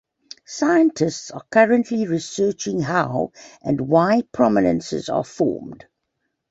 Scientists are currently researching how and why prominences are formed.